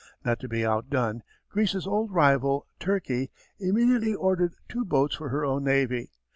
Not to be outdone, Greece's old rival, Turkey, immediately ordered two boats for her own navy.